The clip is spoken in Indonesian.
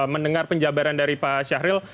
mendengar penjabaran dari pak syahril